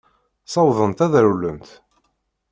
Ssawḍent ad rewlent.